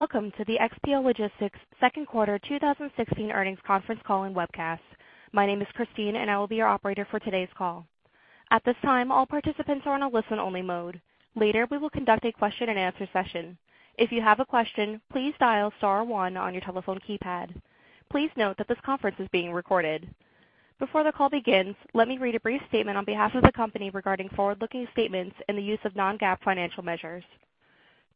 Welcome to the XPO Logistics second quarter 2016 earnings conference call and webcast. My name is Christine, and I will be your operator for today's call. At this time, all participants are on a listen-only mode. Later, we will conduct a question-and-answer session. If you have a question, please dial star one on your telephone keypad. Please note that this conference is being recorded. Before the call begins, let me read a brief statement on behalf of the company regarding forward-looking statements and the use of Non-GAAP financial measures.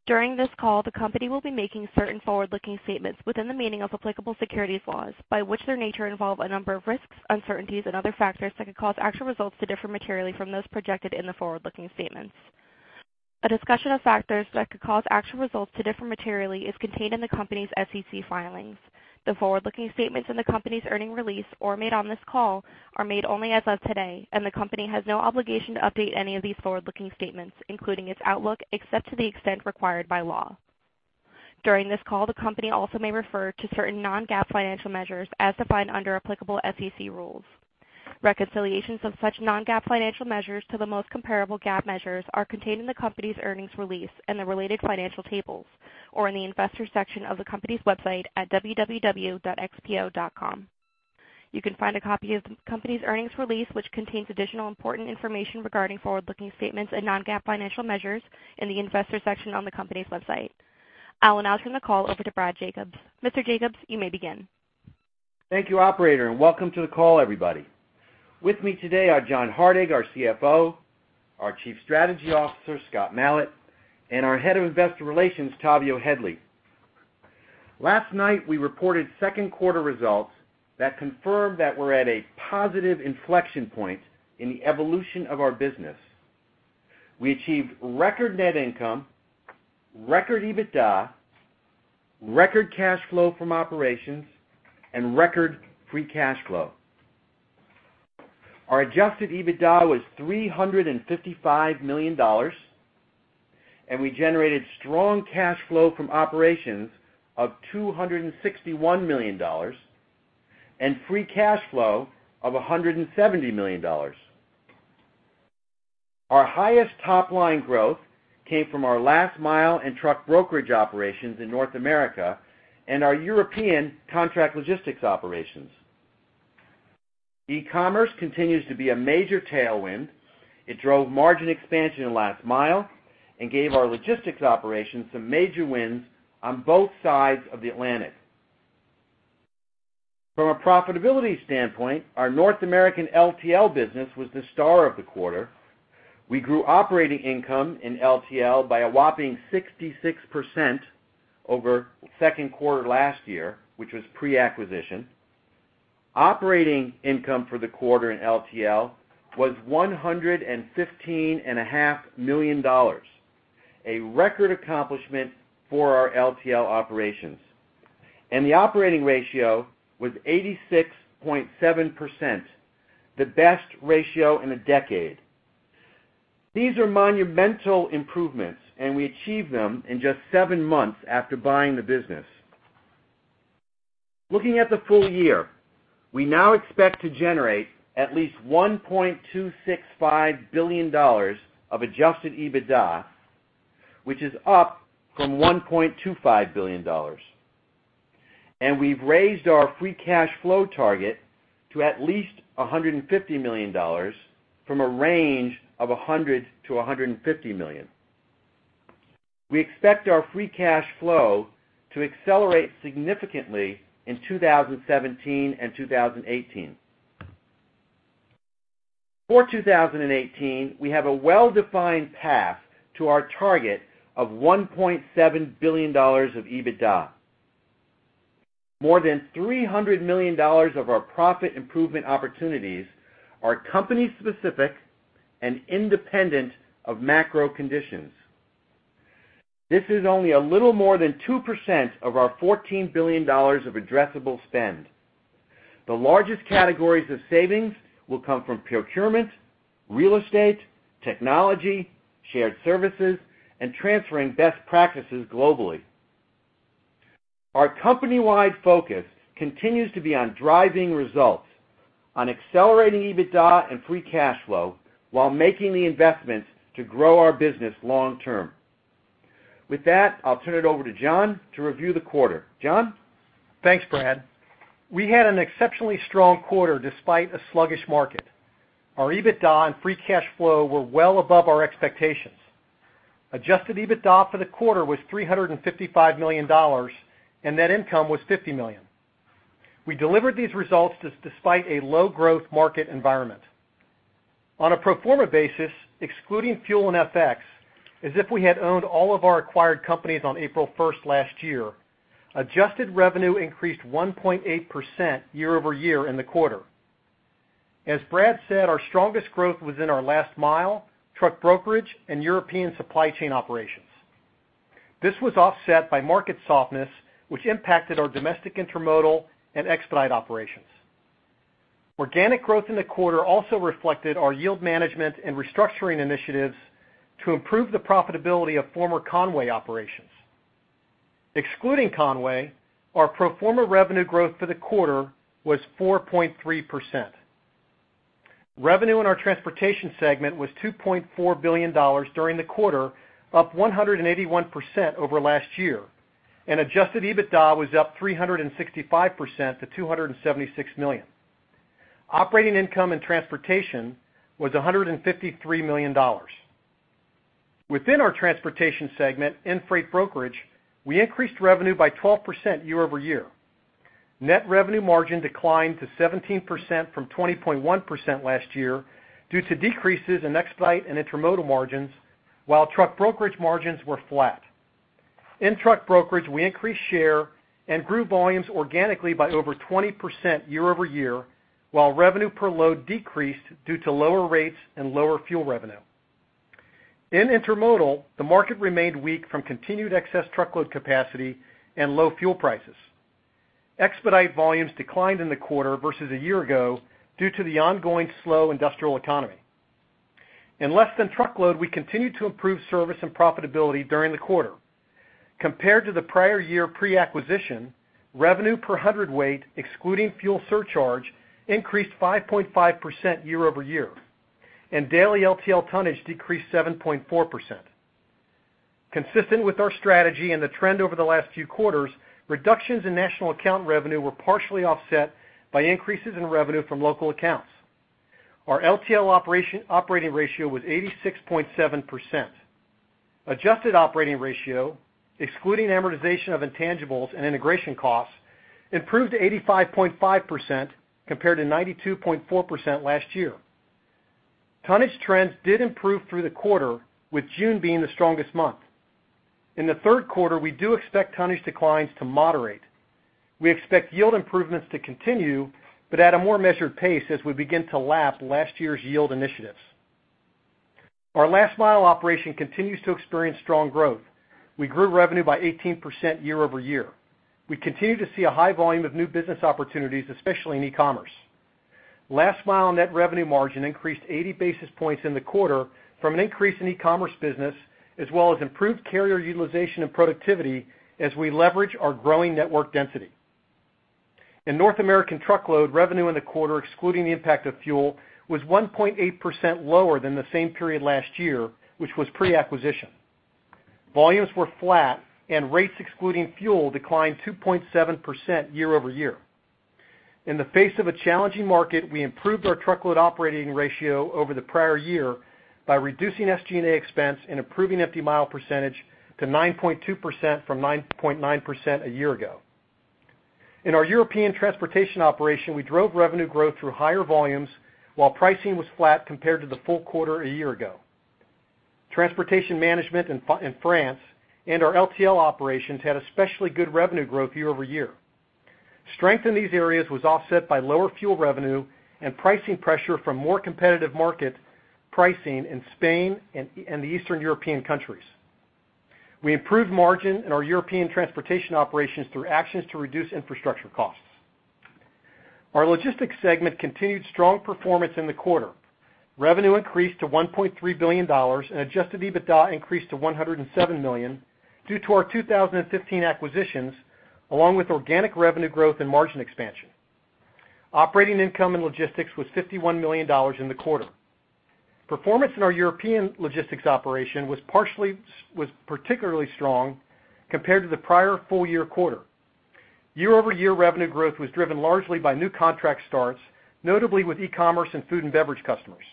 During this call, the company will be making certain forward-looking statements within the meaning of applicable securities laws, by which their nature involve a number of risks, uncertainties and other factors that could cause actual results to differ materially from those projected in the forward-looking statements. A discussion of factors that could cause actual results to differ materially is contained in the company's SEC filings. The forward-looking statements in the company's earnings release or made on this call are made only as of today, and the company has no obligation to update any of these forward-looking statements, including its outlook, except to the extent required by law. During this call, the company also may refer to certain Non-GAAP financial measures as defined under applicable SEC rules. Reconciliations of such Non-GAAP financial measures to the most comparable GAAP measures are contained in the company's earnings release and the related financial tables, or in the Investors section of the company's website at www.xpo.com. You can find a copy of the company's earnings release, which contains additional important information regarding forward-looking statements and Non-GAAP financial measures, in the Investors section on the company's website. I will now turn the call over to Brad Jacobs. Mr. Jacobs, you may begin. Thank you, operator, and welcome to the call, everybody. With me today are John Hardig, our CFO; our Chief Strategy Officer, Scott Malat, and our Head of Investor Relations, Tavio Headley. Last night, we reported second quarter results that confirmed that we're at a positive inflection point in the evolution of our business. We achieved record net income, record EBITDA, record cash flow from operations, and record free cash flow. Our Adjusted EBITDA was $355 million, and we generated strong cash flow from operations of $261 million, and free cash flow of $170 million. Our highest top-line growth came from our last mile and truck brokerage operations in North America and our European contract logistics operations. E-commerce continues to be a major tailwind. It drove margin expansion in last mile and gave our logistics operations some major wins on both sides of the Atlantic. From a profitability standpoint, our North American LTL business was the star of the quarter. We grew operating income in LTL by a whopping 66% over second quarter last year, which was pre-acquisition. Operating income for the quarter in LTL was $115.5 million, a record accomplishment for our LTL operations, and the operating ratio was 86.7%, the best ratio in a decade. These are monumental improvements, and we achieved them in just seven months after buying the business. Looking at the full year, we now expect to generate at least $1.265 billion of Adjusted EBITDA, which is up from $1.25 billion. We've raised our free cash flow target to at least $150 million from a range of $100 million-$150 million. We expect our free cash flow to accelerate significantly in 2017 and 2018. For 2018, we have a well-defined path to our target of $1.7 billion of EBITDA. More than $300 million of our profit improvement opportunities are company-specific and independent of macro conditions. This is only a little more than 2% of our $14 billion of addressable spend. The largest categories of savings will come from procurement, real estate, technology, shared services, and transferring best practices globally. Our company-wide focus continues to be on driving results, on accelerating EBITDA and free cash flow while making the investments to grow our business long term. With that, I'll turn it over to John to review the quarter. John? Thanks, Brad. We had an exceptionally strong quarter despite a sluggish market. Our EBITDA and free cash flow were well above our expectations. Adjusted EBITDA for the quarter was $355 million, and net income was $50 million. We delivered these results despite a low growth market environment. On a pro forma basis, excluding fuel and FX, as if we had owned all of our acquired companies on April first last year, adjusted revenue increased 1.8% year-over-year in the quarter. As Brad said, our strongest growth was in our last mile, truck brokerage, and European supply chain operations. This was offset by market softness, which impacted our domestic intermodal and expedite operations. Organic growth in the quarter also reflected our yield management and restructuring initiatives to improve the profitability of former Con-way operations. Excluding Con-way, our pro forma revenue growth for the quarter was 4.3%.... Revenue in our transportation segment was $2.4 billion during the quarter, up 181% over last year, and Adjusted EBITDA was up 365% to $276 million. Operating income in transportation was $153 million. Within our transportation segment, in freight brokerage, we increased revenue by 12% year-over-year. Net revenue margin declined to 17% from 20.1% last year due to decreases in expedite and intermodal margins, while truck brokerage margins were flat. In truck brokerage, we increased share and grew volumes organically by over 20% year-over-year, while revenue per load decreased due to lower rates and lower fuel revenue. In intermodal, the market remained weak from continued excess truckload capacity and low fuel prices. Expedite volumes declined in the quarter versus a year ago due to the ongoing slow industrial economy. In less than truckload, we continued to improve service and profitability during the quarter. Compared to the prior year pre-acquisition, revenue per hundredweight, excluding fuel surcharge, increased 5.5% year-over-year, and daily LTL tonnage decreased 7.4%. Consistent with our strategy and the trend over the last few quarters, reductions in national account revenue were partially offset by increases in revenue from local accounts. Our LTL operating ratio was 86.7%. Adjusted operating ratio, excluding amortization of intangibles and integration costs, improved to 85.5% compared to 92.4% last year. Tonnage trends did improve through the quarter, with June being the strongest month. In the third quarter, we do expect tonnage declines to moderate. We expect yield improvements to continue, but at a more measured pace as we begin to lap last year's yield initiatives. Our Last Mile operation continues to experience strong growth. We grew revenue by 18% year-over-year. We continue to see a high volume of new business opportunities, especially in e-commerce. Last Mile net revenue margin increased 80 basis points in the quarter from an increase in e-commerce business, as well as improved carrier utilization and productivity as we leverage our growing network density. In North American Truckload, revenue in the quarter, excluding the impact of fuel, was 1.8% lower than the same period last year, which was pre-acquisition. Volumes were flat, and rates, excluding fuel, declined 2.7% year-over-year. In the face of a challenging market, we improved our truckload operating ratio over the prior year by reducing SG&A expense and improving empty mile percentage to 9.2% from 9.9% a year ago. In our European transportation operation, we drove revenue growth through higher volumes, while pricing was flat compared to the full quarter a year ago. Transportation management in France and our LTL operations had especially good revenue growth year-over-year. Strength in these areas was offset by lower fuel revenue and pricing pressure from more competitive market pricing in Spain and the Eastern European countries. We improved margin in our European transportation operations through actions to reduce infrastructure costs. Our logistics segment continued strong performance in the quarter. Revenue increased to $1.3 billion, and Adjusted EBITDA increased to $107 million due to our 2015 acquisitions, along with organic revenue growth and margin expansion. Operating income in logistics was $51 million in the quarter. Performance in our European logistics operation was particularly strong compared to the prior full-year quarter. Year-over-year revenue growth was driven largely by new contract starts, notably with e-commerce and food and beverage customers.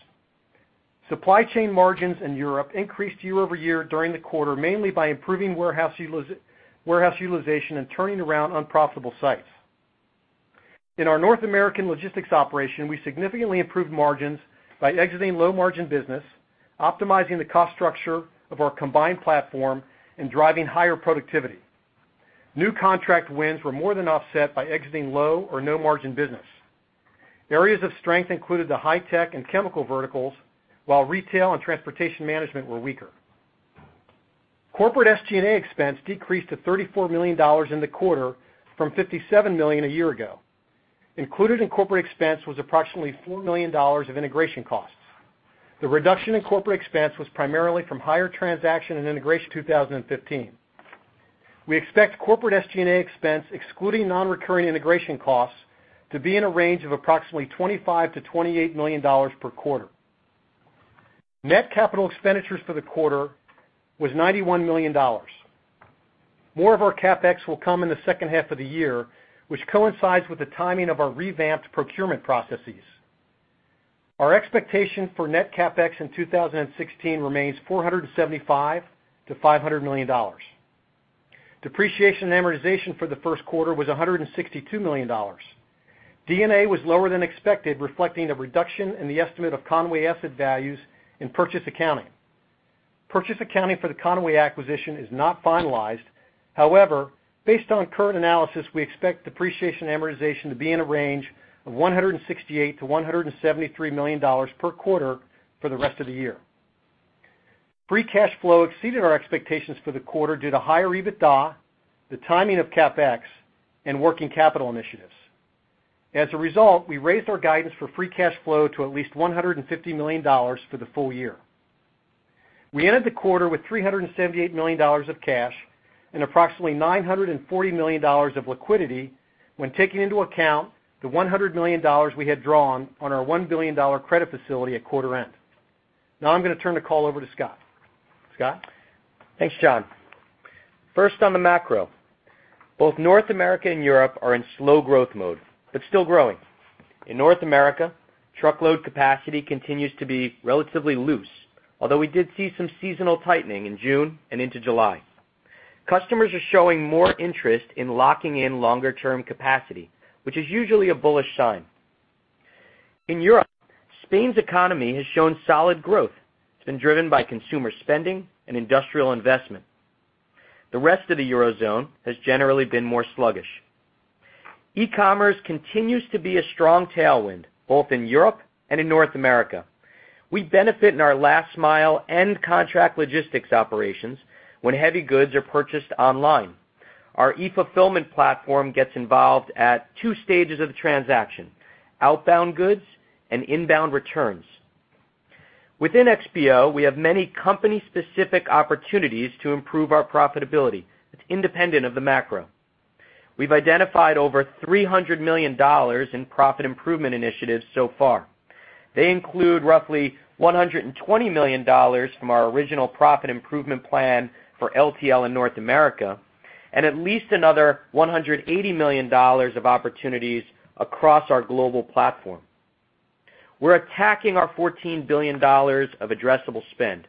Supply chain margins in Europe increased year-over-year during the quarter, mainly by improving warehouse utilization and turning around unprofitable sites. In our North American logistics operation, we significantly improved margins by exiting low-margin business, optimizing the cost structure of our combined platform, and driving higher productivity. New contract wins were more than offset by exiting low or no-margin business. Areas of strength included the high tech and chemical verticals, while retail and transportation management were weaker. Corporate SG&A expense decreased to $34 million in the quarter from $57 million a year ago. Included in corporate expense was approximately $4 million of integration costs. The reduction in corporate expense was primarily from higher transaction and integration in 2015. We expect corporate SG&A expense, excluding non-recurring integration costs, to be in a range of approximately $25 million-$28 million per quarter. Net capital expenditures for the quarter was $91 million. More of our CapEx will come in the second half of the year, which coincides with the timing of our revamped procurement processes. Our expectation for net CapEx in 2016 remains $475 million-$500 million. Depreciation and amortization for the first quarter was $162 million. D&A was lower than expected, reflecting a reduction in the estimate of Con-way asset values in purchase accounting. Purchase accounting for the Con-way acquisition is not finalized. However, based on current analysis, we expect depreciation and amortization to be in a range of $168 million-$173 million per quarter for the rest of the year. Free cash flow exceeded our expectations for the quarter due to higher EBITDA, the timing of CapEx, and working capital initiatives. As a result, we raised our guidance for free cash flow to at least $150 million for the full year.... We ended the quarter with $378 million of cash and approximately $940 million of liquidity when taking into account the $100 million we had drawn on our $1 billion credit facility at quarter end. Now I'm going to turn the call over to Scott. Scott? Thanks, John. First, on the macro, both North America and Europe are in slow growth mode, but still growing. In North America, truckload capacity continues to be relatively loose, although we did see some seasonal tightening in June and into July. Customers are showing more interest in locking in longer-term capacity, which is usually a bullish sign. In Europe, Spain's economy has shown solid growth. It's been driven by consumer spending and industrial investment. The rest of the Eurozone has generally been more sluggish. E-commerce continues to be a strong tailwind, both in Europe and in North America. We benefit in our last mile and contract logistics operations when heavy goods are purchased online. Our e-fulfillment platform gets involved at two stages of the transaction, outbound goods and inbound returns. Within XPO, we have many company-specific opportunities to improve our profitability. It's independent of the macro. We've identified over $300 million in profit improvement initiatives so far. They include roughly $120 million from our original profit improvement plan for LTL in North America, and at least another $180 million of opportunities across our global platform. We're attacking our $14 billion of addressable spend.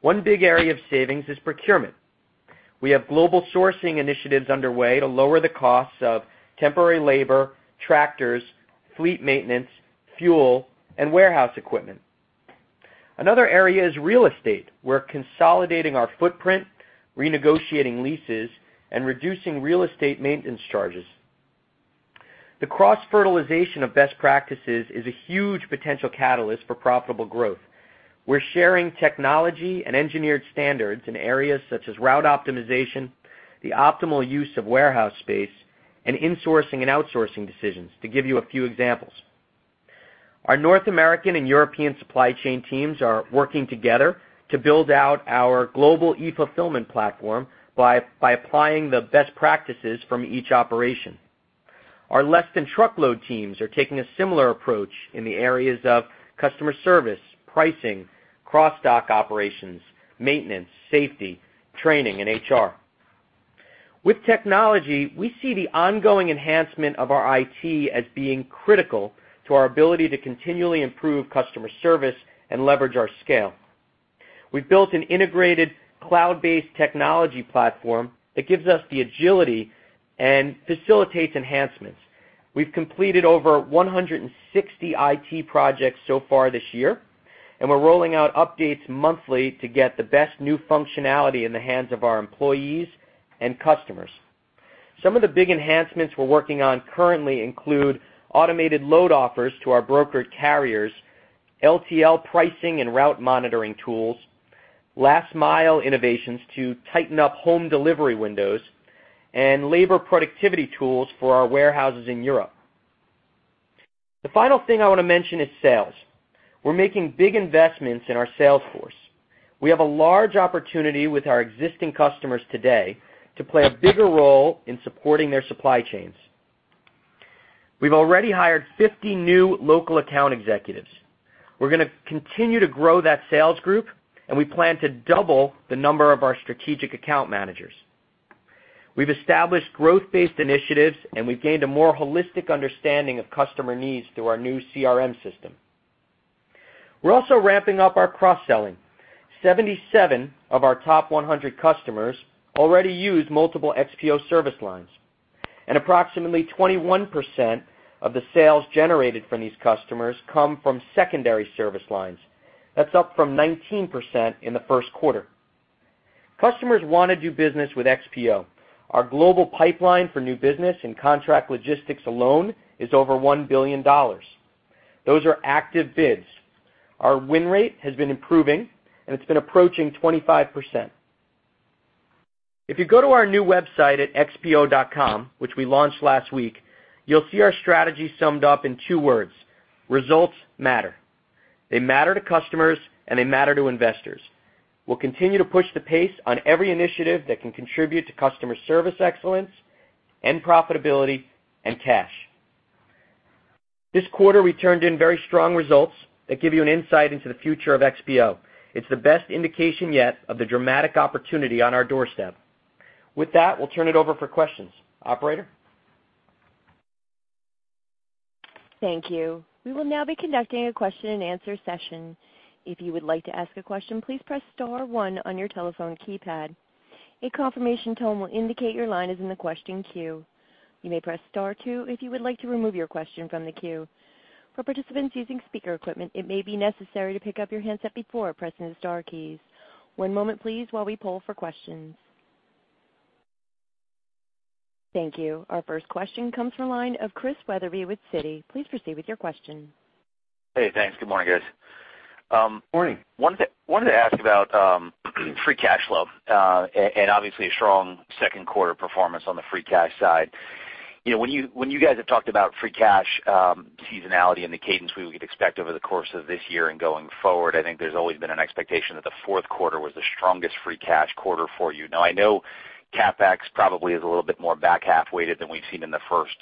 One big area of savings is procurement. We have global sourcing initiatives underway to lower the costs of temporary labor, tractors, fleet maintenance, fuel, and warehouse equipment. Another area is real estate. We're consolidating our footprint, renegotiating leases, and reducing real estate maintenance charges. The cross-fertilization of best practices is a huge potential catalyst for profitable growth. We're sharing technology and engineered standards in areas such as route optimization, the optimal use of warehouse space, and insourcing and outsourcing decisions, to give you a few examples. Our North American and European supply chain teams are working together to build out our global e-fulfillment platform by applying the best practices from each operation. Our less than truckload teams are taking a similar approach in the areas of customer service, pricing, cross-dock operations, maintenance, safety, training, and HR. With technology, we see the ongoing enhancement of our IT as being critical to our ability to continually improve customer service and leverage our scale. We've built an integrated cloud-based technology platform that gives us the agility and facilitates enhancements. We've completed over 160 IT projects so far this year, and we're rolling out updates monthly to get the best new functionality in the hands of our employees and customers. Some of the big enhancements we're working on currently include automated load offers to our brokered carriers, LTL pricing and route monitoring tools, last mile innovations to tighten up home delivery windows, and labor productivity tools for our warehouses in Europe. The final thing I want to mention is sales. We're making big investments in our sales force. We have a large opportunity with our existing customers today to play a bigger role in supporting their supply chains. We've already hired 50 new local account executives. We're going to continue to grow that sales group, and we plan to double the number of our strategic account managers. We've established growth-based initiatives, and we've gained a more holistic understanding of customer needs through our new CRM system. We're also ramping up our cross-selling. 77 of our top 100 customers already use multiple XPO service lines, and approximately 21% of the sales generated from these customers come from secondary service lines. That's up from 19% in the first quarter. Customers want to do business with XPO. Our global pipeline for new business and contract logistics alone is over $1 billion. Those are active bids. Our win rate has been improving, and it's been approaching 25%. If you go to our new website at xpo.com, which we launched last week, you'll see our strategy summed up in 2 words, Results Matter. They matter to customers, and they matter to investors. We'll continue to push the pace on every initiative that can contribute to customer service excellence and profitability and cash. This quarter, we turned in very strong results that give you an insight into the future of XPO. It's the best indication yet of the dramatic opportunity on our doorstep. With that, we'll turn it over for questions. Operator? Thank you. We will now be conducting a question-and-answer session. If you would like to ask a question, please press star one on your telephone keypad. A confirmation tone will indicate your line is in the question queue. You may press Star two if you would like to remove your question from the queue. For participants using speaker equipment, it may be necessary to pick up your handset before pressing the star keys. One moment, please, while we poll for questions. Thank you. Our first question comes from the line of Chris Wetherbee with Citi. Please proceed with your question. Hey, thanks. Good morning, guys. Morning. Wanted to ask about free cash flow, and obviously a strong second quarter performance on the free cash side. You know, when you guys have talked about free cash, seasonality and the cadence we would expect over the course of this year and going forward, I think there's always been an expectation that the fourth quarter was the strongest free cash quarter for you. Now, I know CapEx probably is a little bit more back half weighted than we've seen in the first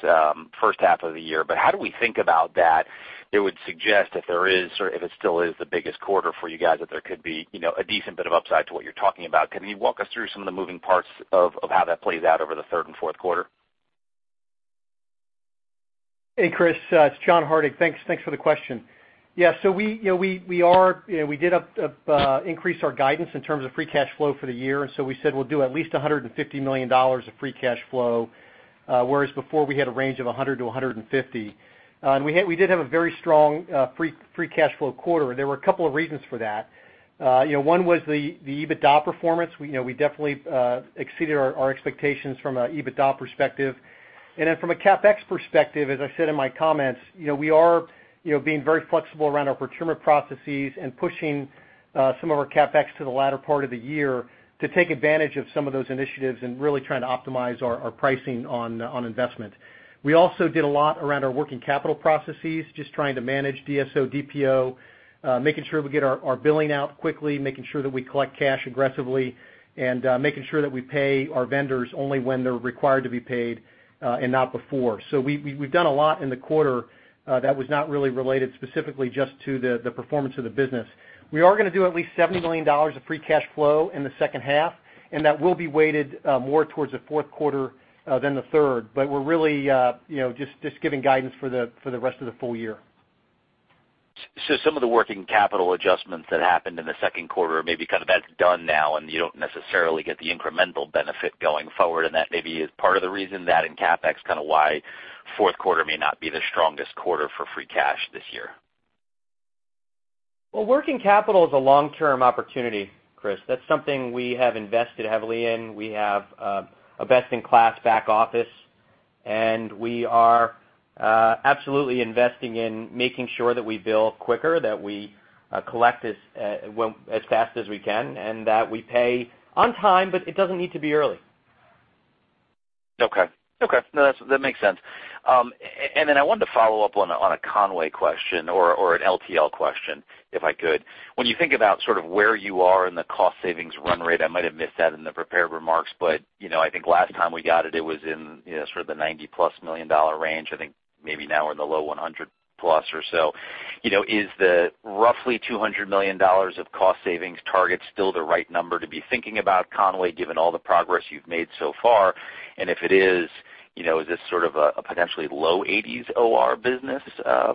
half of the year. But how do we think about that? It would suggest if there is, or if it still is the biggest quarter for you guys, that there could be, you know, a decent bit of upside to what you're talking about. Can you walk us through some of the moving parts of how that plays out over the third and fourth quarter? Hey, Chris, it's John Hardig. Thanks, thanks for the question. Yeah, so we, you know, we, we are, you know, we did increase our guidance in terms of free cash flow for the year. So we said we'll do at least $150 million of free cash flow, whereas before we had a range of $100 million-$150 million. And we had we did have a very strong free cash flow quarter, and there were a couple of reasons for that. You know, one was the EBITDA performance. We, you know, we definitely exceeded our expectations from an EBITDA perspective. And then from a CapEx perspective, as I said in my comments, you know, we are, you know, being very flexible around our procurement processes and pushing some of our CapEx to the latter part of the year to take advantage of some of those initiatives and really trying to optimize our pricing on investment. We also did a lot around our working capital processes, just trying to manage DSO, DPO, making sure we get our billing out quickly, making sure that we collect cash aggressively, and making sure that we pay our vendors only when they're required to be paid and not before. So we've done a lot in the quarter that was not really related specifically just to the performance of the business. We are going to do at least $70 million of free cash flow in the second half, and that will be weighted, more towards the fourth quarter, than the third. But we're really, you know, just, just giving guidance for the, for the rest of the full year. Some of the working capital adjustments that happened in the second quarter, maybe kind of that's done now, and you don't necessarily get the incremental benefit going forward, and that maybe is part of the reason that in CapEx, kind of why fourth quarter may not be the strongest quarter for free cash this year. Well, working capital is a long-term opportunity, Chris. That's something we have invested heavily in. We have a best-in-class back office, and we are absolutely investing in making sure that we bill quicker, that we collect as well as fast as we can, and that we pay on time, but it doesn't need to be early. Okay. Okay, no, that's, that makes sense. And then I wanted to follow up on a Con-way question or an LTL question, if I could. When you think about sort of where you are in the cost savings run rate, I might have missed that in the prepared remarks, but, you know, I think last time we got it, it was in, you know, sort of the $90+ million range. I think maybe now we're in the low 100+ or so. You know, is the roughly $200 million of cost savings target still the right number to be thinking about Con-way, given all the progress you've made so far? And if it is, you know, is this sort of a potentially low 80s OR business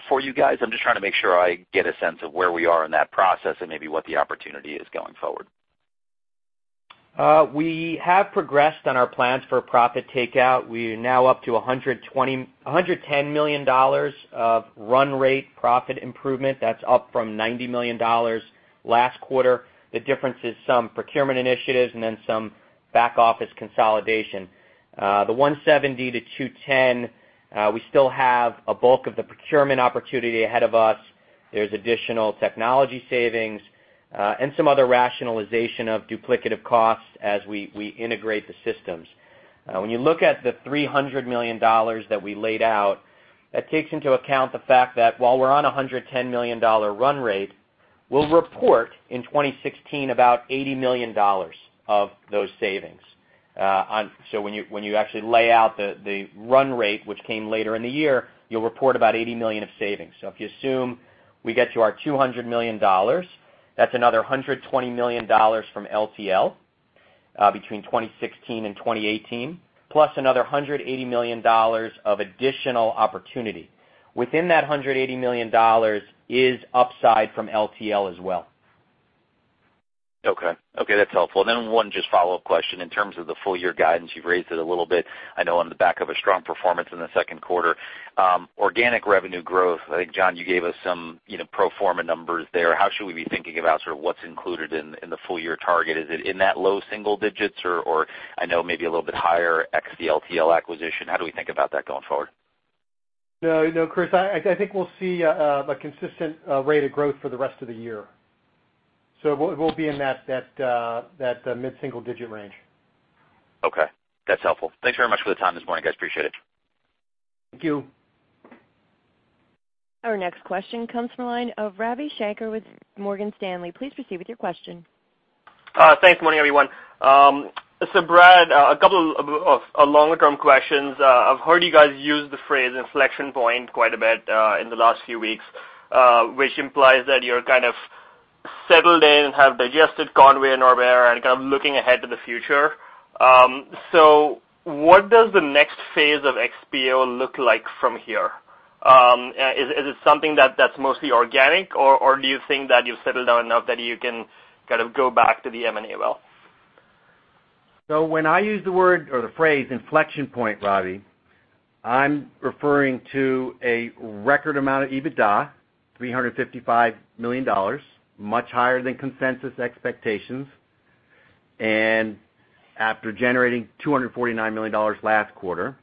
for you guys? I'm just trying to make sure I get a sense of where we are in that process and maybe what the opportunity is going forward. We have progressed on our plans for profit takeout. We are now up to $110 million of run rate profit improvement. That's up from $90 million last quarter. The difference is some procurement initiatives and then some back office consolidation. The $170 million-$210 million, we still have a bulk of the procurement opportunity ahead of us. There's additional technology savings, and some other rationalization of duplicative costs as we integrate the systems. When you look at the $300 million that we laid out, that takes into account the fact that while we're on a $110 million run rate, we'll report in 2016, about $80 million of those savings. On... So when you, when you actually lay out the, the run rate, which came later in the year, you'll report about $80 million of savings. So if you assume we get to our $200 million, that's another $120 million from LTL between 2016 and 2018, plus another $180 million of additional opportunity. Within that $180 million is upside from LTL as well. Okay. Okay, that's helpful. And then one just follow-up question. In terms of the full year guidance, you've raised it a little bit, I know, on the back of a strong performance in the second quarter. Organic revenue growth, I think, John, you gave us some, you know, pro forma numbers there. How should we be thinking about sort of what's included in the full year target? Is it in that low single digits, or I know maybe a little bit higher ex the LTL acquisition. How do we think about that going forward? No, no, Chris, I, I think we'll see a, a consistent, rate of growth for the rest of the year. So we'll, we'll be in that, that, mid-single-digit range. Okay. That's helpful. Thanks very much for the time this morning, guys. Appreciate it. Thank you. Our next question comes from the line of Ravi Shanker with Morgan Stanley. Please proceed with your question. Thanks. Morning, everyone. So Brad, a couple of longer-term questions. I've heard you guys use the phrase inflection point quite a bit in the last few weeks, which implies that you're kind of settled in and have digested Con-way and Norbert Dentressangle and kind of looking ahead to the future. So what does the next phase of XPO look like from here? Is it something that's mostly organic, or do you think that you've settled down enough that you can kind of go back to the M&A well? When I use the word or the phrase inflection point, Ravi, I'm referring to a record amount of EBITDA, $355 million, much higher than consensus expectations, and after generating $249 million last quarter.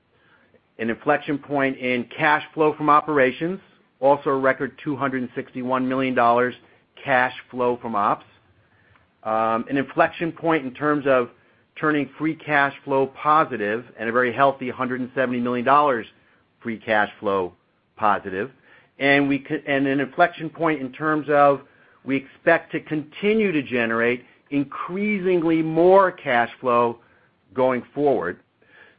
An inflection point in cash flow from operations, also a record $261 million cash flow from ops.... an inflection point in terms of turning free cash flow positive at a very healthy $170 million free cash flow positive. And an inflection point in terms of we expect to continue to generate increasingly more cash flow going forward.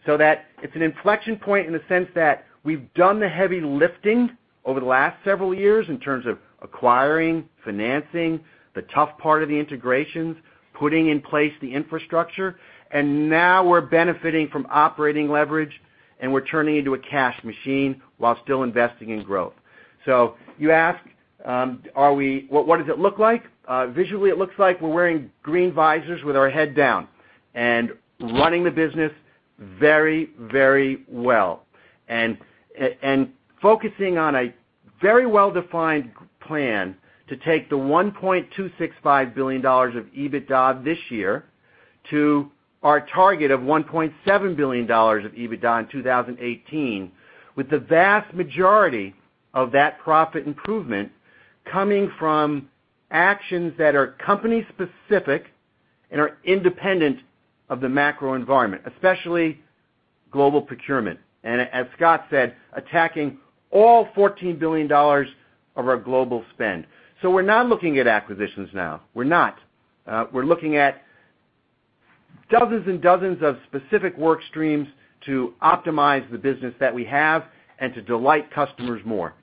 So that it's an inflection point in the sense that we've done the heavy lifting over the last several years in terms of acquiring, financing, the tough part of the integrations, putting in place the infrastructure, and now we're benefiting from operating leverage, and we're turning into a cash machine while still investing in growth. So you ask, are we? What, what does it look like? Visually, it looks like we're wearing green visors with our head down and running the business very, very well. And focusing on a very well-defined plan to take the $1.265 billion of EBITDA this year, to our target of $1.7 billion of EBITDA in 2018, with the vast majority of that profit improvement coming from actions that are company-specific and are independent of the macro environment, especially global procurement. And as Scott said, attacking all $14 billion of our global spend. So we're not looking at acquisitions now. We're not. We're looking at dozens and dozens of specific work streams to optimize the business that we have and to delight customers more.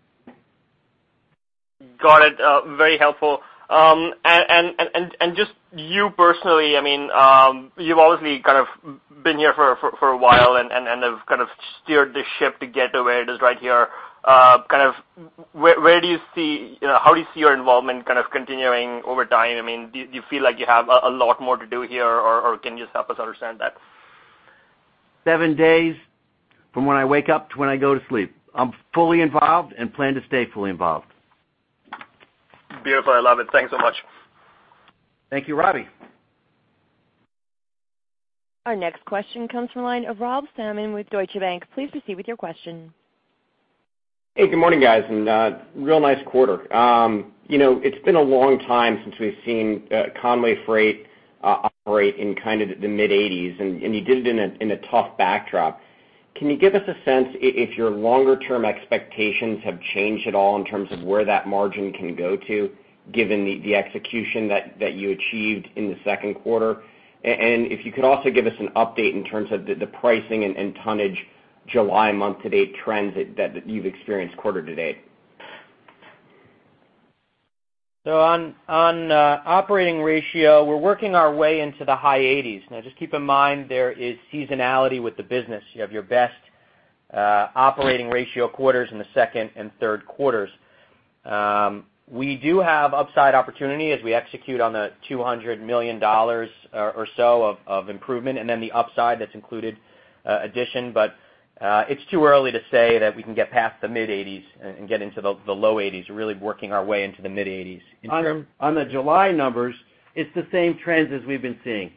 Got it. Very helpful. And just you personally, I mean, you've obviously kind of been here for a while and have kind of steered the ship to get to where it is right here. Kind of, where do you see, you know, how do you see your involvement kind of continuing over time? I mean, do you feel like you have a lot more to do here, or can you just help us understand that? Seven days from when I wake up to when I go to sleep, I'm fully involved and plan to stay fully involved. Beautiful. I love it. Thank you so much. Thank you, Rob. Our next question comes from the line of Rob Salmon with Deutsche Bank. Please proceed with your question. Hey, good morning, guys, and real nice quarter. You know, it's been a long time since we've seen Con-way Freight operate in kind of the mid-eighties, and you did it in a tough backdrop. Can you give us a sense if your longer-term expectations have changed at all in terms of where that margin can go to, given the execution that you achieved in the second quarter? And if you could also give us an update in terms of the pricing and tonnage July month-to-date trends that you've experienced quarter to date. On operating ratio, we're working our way into the high 80s. Now, just keep in mind, there is seasonality with the business. You have your best operating ratio quarters in the second and third quarters. We do have upside opportunity as we execute on the $200 million or so of improvement, and then the upside that's included addition. But it's too early to say that we can get past the mid-80s and get into the low 80s. We're really working our way into the mid-80s. On, on the July numbers, it's the same trends as we've been seeing.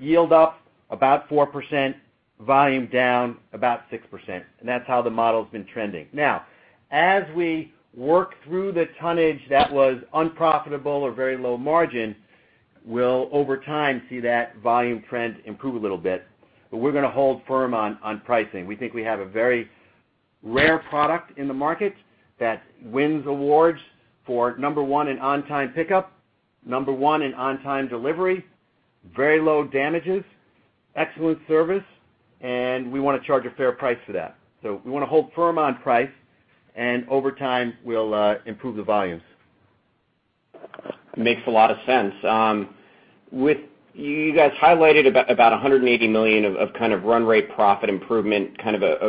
Yield up about 4%, volume down about 6%, and that's how the model's been trending. Now, as we work through the tonnage that was unprofitable or very low margin, we'll, over time, see that volume trend improve a little bit, but we're going to hold firm on, on pricing. We think we have a very rare product in the market that wins awards for number one in on-time pickup, number one in on-time delivery, very low damages, excellent service, and we want to charge a fair price for that. So we want to hold firm on price, and over time, we'll improve the volumes. Makes a lot of sense. With you guys highlighted about $180 million of kind of run rate profit improvement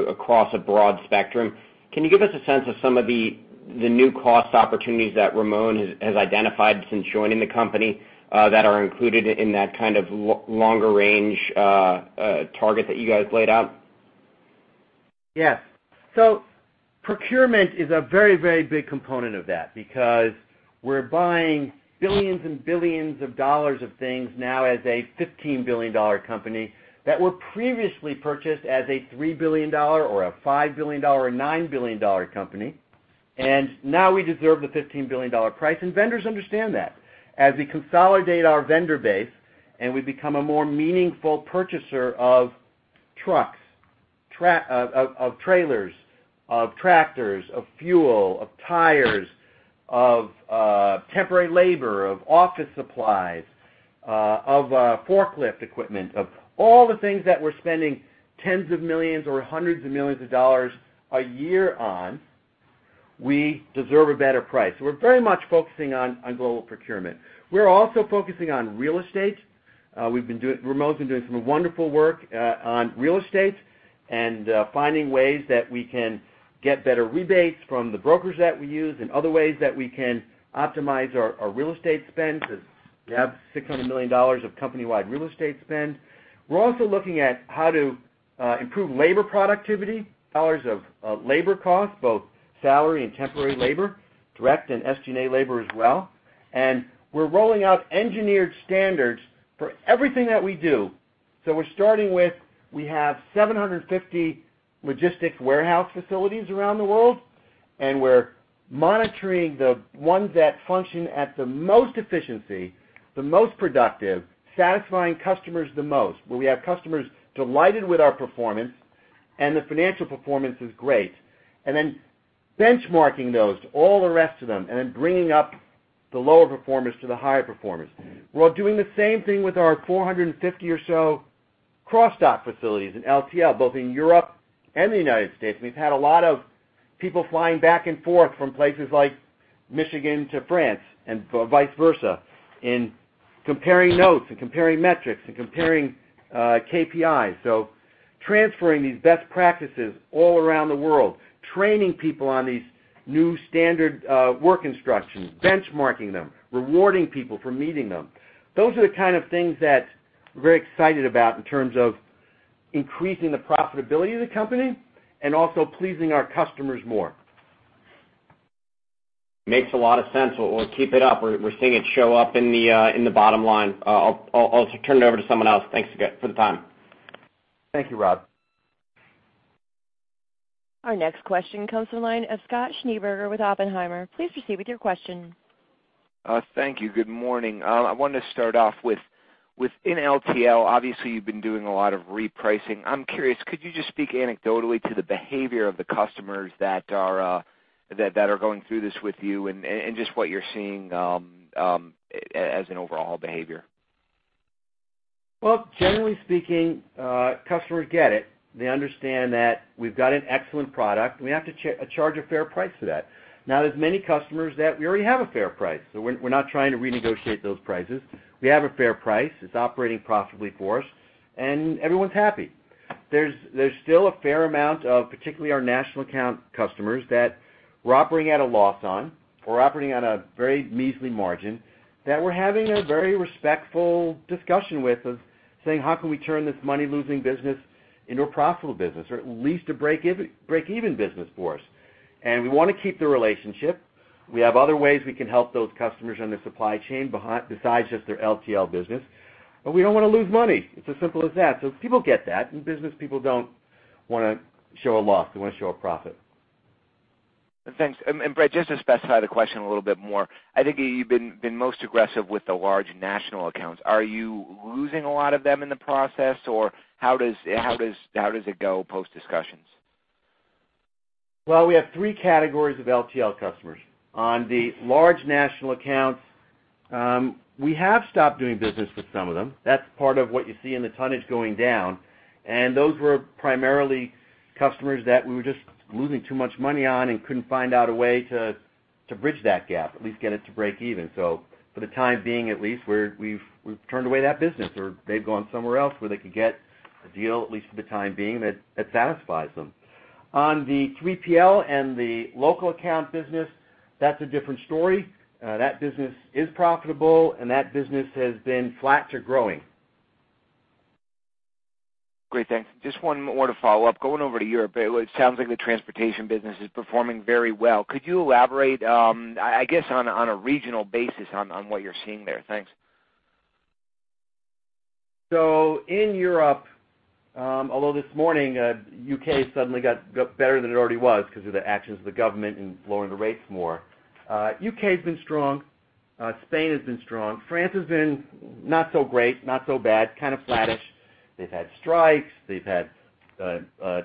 across a broad spectrum. Can you give us a sense of some of the new cost opportunities that Ramon has identified since joining the company, that are included in that kind of longer range target that you guys laid out? Yes. So procurement is a very, very big component of that because we're buying billions and billions of dollars of things now as a $15 billion company that were previously purchased as a $3 billion or a $5 billion, or $9 billion company, and now we deserve the $15 billion price, and vendors understand that. As we consolidate our vendor base and we become a more meaningful purchaser of trucks, of trailers, of tractors, of fuel, of tires, of temporary labor, of office supplies, of forklift equipment, of all the things that we're spending $10s of millions or $100s of millions of dollars a year on, we deserve a better price. We're very much focusing on global procurement. We're also focusing on real estate. We've been doing. Ramon's been doing some wonderful work on real estate and finding ways that we can get better rebates from the brokers that we use and other ways that we can optimize our real estate spend, because we have $600 million of company-wide real estate spend. We're also looking at how to improve labor productivity, dollars of labor costs, both salary and temporary labor, direct and SG&A labor as well. We're rolling out engineered standards for everything that we do. We're starting with, we have 750 logistics warehouse facilities around the world, and we're monitoring the ones that function at the most efficiency, the most productive, satisfying customers the most, where we have customers delighted with our performance, and the financial performance is great. And then benchmarking those to all the rest of them, and then bringing up the lower performers to the higher performers. We're doing the same thing with our 450 or so cross-dock facilities in LTL, both in Europe and the United States. We've had a lot of people flying back and forth from places like Michigan to France, and vice versa, in comparing notes and comparing metrics and comparing KPIs. So transferring these best practices all around the world, training people on these new standard work instructions, benchmarking them, rewarding people for meeting them. Those are the kind of things that we're very excited about in terms of increasing the profitability of the company and also pleasing our customers more. Makes a lot of sense. Well, keep it up. We're seeing it show up in the bottom line. I'll turn it over to someone else. Thanks again for the time. Thank you, Rob. Our next question comes from the line of Scott Schneeberger with Oppenheimer. Please proceed with your question. Thank you. Good morning. I wanted to start off with, within LTL, obviously, you've been doing a lot of repricing. I'm curious, could you just speak anecdotally to the behavior of the customers that are going through this with you, and just what you're seeing as an overall behavior? Well, generally speaking, customers get it. They understand that we've got an excellent product, and we have to charge a fair price for that. Now, there's many customers that we already have a fair price, so we're not trying to renegotiate those prices. We have a fair price. It's operating profitably for us, and everyone's happy. There's still a fair amount of, particularly our national account customers, that we're operating at a loss on, or operating on a very measly margin, that we're having a very respectful discussion with of saying, "How can we turn this money-losing business into a profitable business, or at least a break even, break-even business for us?" And we want to keep the relationship. We have other ways we can help those customers on the supply chain besides just their LTL business. But we don't want to lose money. It's as simple as that. So people get that, and business people don't want to show a loss. They want to show a profit. Thanks. And Brad, just to specify the question a little bit more, I think you've been most aggressive with the large national accounts. Are you losing a lot of them in the process, or how does it go post-discussions? Well, we have three categories of LTL customers. On the large national accounts, we have stopped doing business with some of them. That's part of what you see in the tonnage going down, and those were primarily customers that we were just losing too much money on and couldn't find a way to bridge that gap, at least get it to break even. So for the time being, at least, we've turned away that business, or they've gone somewhere else where they could get a deal, at least for the time being, that satisfies them. On the 3PL and the local account business, that's a different story. That business is profitable, and that business has been flat to growing. Great, thanks. Just one more to follow up. Going over to Europe, it sounds like the transportation business is performing very well. Could you elaborate, I guess, on a regional basis on what you're seeing there? Thanks. So in Europe, although this morning, U.K. suddenly got better than it already was because of the actions of the government in lowering the rates more, U.K. has been strong, Spain has been strong, France has been not so great, not so bad, kind of flattish. They've had strikes, they've had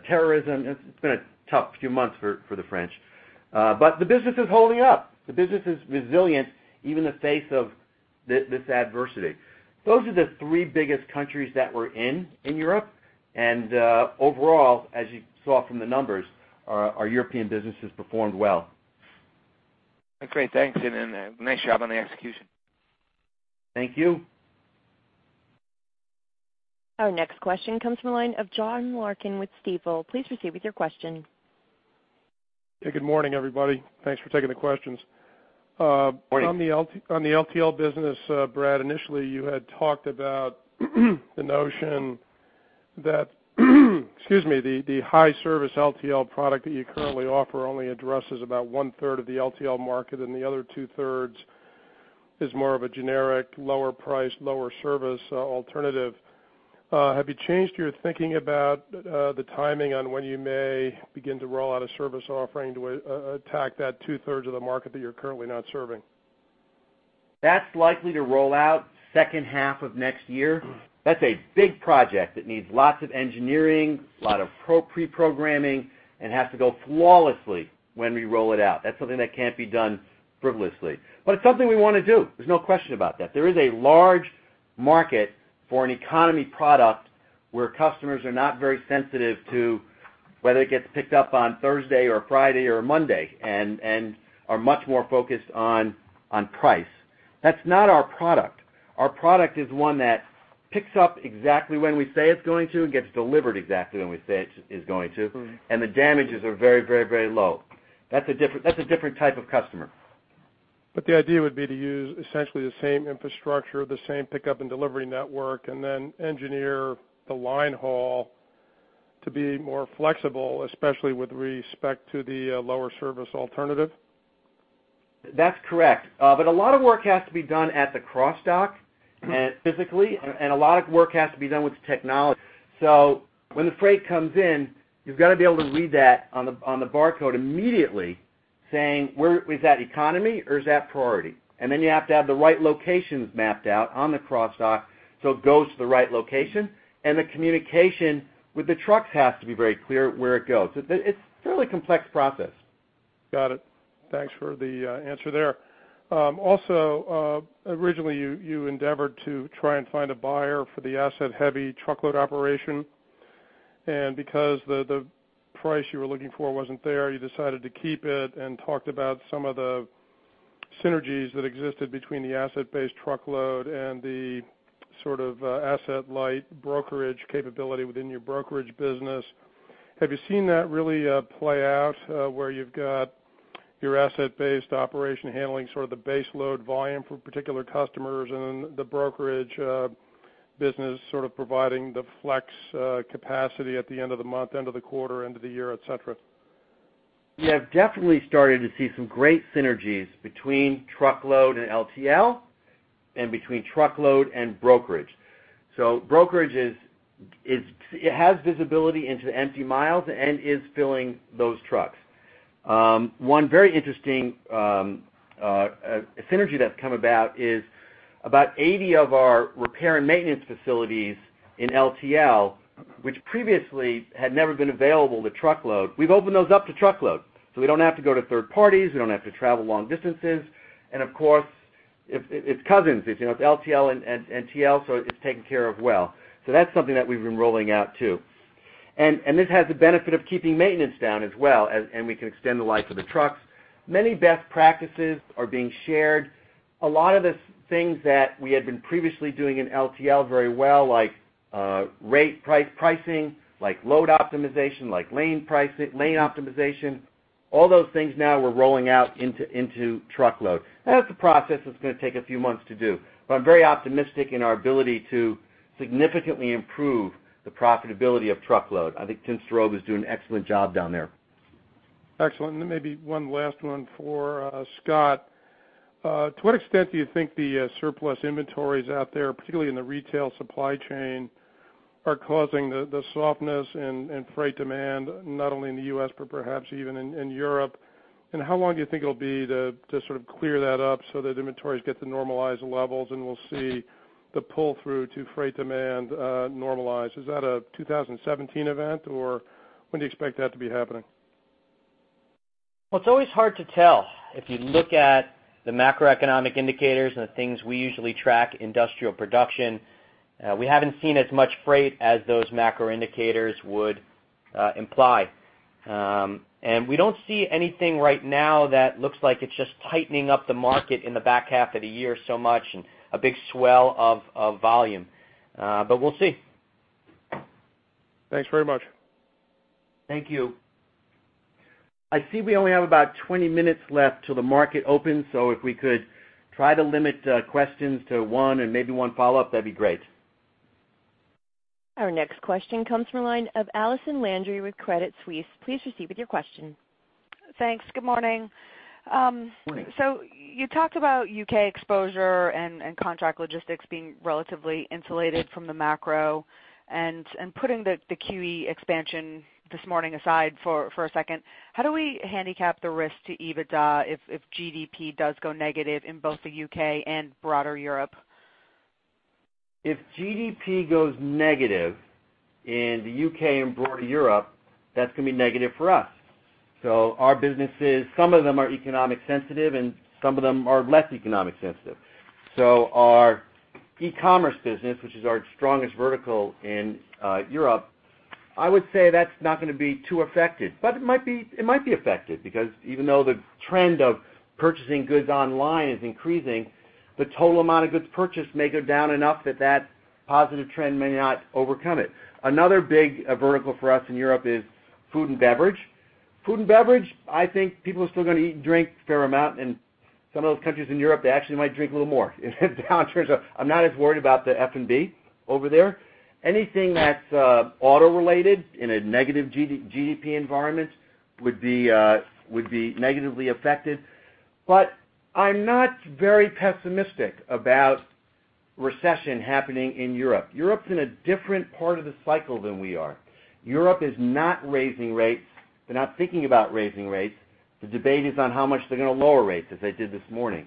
terrorism. It's been a tough few months for the French. But the business is holding up. The business is resilient, even in the face of this adversity. Those are the three biggest countries that we're in in Europe, and overall, as you saw from the numbers, our European businesses performed well. Great, thanks, and nice job on the execution. Thank you. Our next question comes from the line of John Larkin with Stifel. Please proceed with your question. Good morning, everybody. Thanks for taking the questions. Good morning. On the LTL business, Brad, initially, you had talked about the notion that, excuse me, the high-service LTL product that you currently offer only addresses about one-third of the LTL market, and the other two-thirds is more of a generic, lower price, lower service alternative. Have you changed your thinking about the timing on when you may begin to roll out a service offering to attack that two-thirds of the market that you're currently not serving? That's likely to roll out second half of next year. That's a big project that needs lots of engineering, lot of pre-programming, and has to go flawlessly when we roll it out. That's something that can't be done frivolously, but it's something we want to do. There's no question about that. There is a large market for an economy product where customers are not very sensitive to whether it gets picked up on Thursday or Friday or Monday, and are much more focused on price. That's not our product. Our product is one that picks up exactly when we say it's going to and gets delivered exactly when we say it is going to- Mm-hmm. and the damages are very, very, very low. That's a different, that's a different type of customer. The idea would be to use essentially the same infrastructure, the same pickup and delivery network, and then engineer the line haul to be more flexible, especially with respect to the lower service alternative?... That's correct. But a lot of work has to be done at the cross-dock, and physically, and a lot of work has to be done with the technology. So when the freight comes in, you've got to be able to read that on the, on the barcode immediately, saying, where, is that economy or is that priority? And then you have to have the right locations mapped out on the cross-dock, so it goes to the right location, and the communication with the trucks has to be very clear where it goes. It, it's a fairly complex process. Got it. Thanks for the answer there. Also, originally, you endeavored to try and find a buyer for the asset-heavy truckload operation, and because the price you were looking for wasn't there, you decided to keep it and talked about some of the synergies that existed between the asset-based truckload and the sort of asset-light brokerage capability within your brokerage business. Have you seen that really play out, where you've got your asset-based operation handling sort of the base load volume for particular customers, and then the brokerage business sort of providing the flex capacity at the end of the month, end of the quarter, end of the year, et cetera? We have definitely started to see some great synergies between truckload and LTL, and between truckload and brokerage. So brokerage is, it has visibility into the empty miles and is filling those trucks. One very interesting synergy that's come about is, about 80 of our repair and maintenance facilities in LTL, which previously had never been available to truckload, we've opened those up to truckload. So we don't have to go to third parties, we don't have to travel long distances, and of course, it, it's cousins, it's, you know, it's LTL and, and TL, so it's taken care of well. So that's something that we've been rolling out, too. This has the benefit of keeping maintenance down as well as, and we can extend the life of the trucks. Many best practices are being shared. A lot of the things that we had been previously doing in LTL very well, like rate, price, pricing, like load optimization, like lane pricing, lane optimization, all those things now we're rolling out into truckload. That's a process that's going to take a few months to do. But I'm very optimistic in our ability to significantly improve the profitability of truckload. I think Tim Staroba is doing an excellent job down there. Excellent. And then maybe one last one for, Scott. To what extent do you think the surplus inventories out there, particularly in the retail supply chain, are causing the softness in freight demand, not only in the U.S., but perhaps even in Europe? And how long do you think it'll be to sort of clear that up so that inventories get to normalized levels, and we'll see the pull-through to freight demand normalize? Is that a 2017 event, or when do you expect that to be happening? Well, it's always hard to tell. If you look at the macroeconomic indicators and the things we usually track, industrial production, we haven't seen as much freight as those macro indicators would imply. We don't see anything right now that looks like it's just tightening up the market in the back half of the year so much, and a big swell of volume. But we'll see. Thanks very much. Thank you. I see we only have about 20 minutes left till the market opens, so if we could try to limit questions to one and maybe one follow-up, that'd be great. Our next question comes from the line of Allison Landry with Credit Suisse. Please proceed with your question. Thanks. Good morning. Morning. So you talked about U.K. exposure and contract logistics being relatively insulated from the macro. And putting the QE expansion this morning aside for a second, how do we handicap the risk to EBITDA if GDP does go negative in both the U.K. and broader Europe? If GDP goes negative in the U.K. and broader Europe, that's going to be negative for us. So our businesses, some of them are economic sensitive, and some of them are less economic sensitive. So our e-commerce business, which is our strongest vertical in Europe, I would say that's not going to be too affected, but it might be, it might be affected, because even though the trend of purchasing goods online is increasing, the total amount of goods purchased may go down enough that that positive trend may not overcome it. Another big vertical for us in Europe is food and beverage. Food and beverage, I think people are still going to eat and drink a fair amount, and some of those countries in Europe, they actually might drink a little more if the economy turns out. I'm not as worried about the F&B over there. Anything that's auto-related in a negative GDP environment would be negatively affected. But I'm not very pessimistic about recession happening in Europe. Europe's in a different part of the cycle than we are. Europe is not raising rates. They're not thinking about raising rates. The debate is on how much they're going to lower rates, as they did this morning.